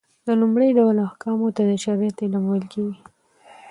د لومړي ډول احکامو ته د شريعت علم ويل کېږي .